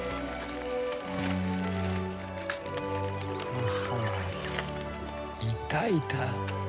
ははいたいた。